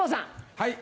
はい。